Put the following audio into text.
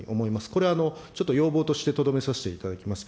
これ、ちょっと要望としてとどめさせていただきます。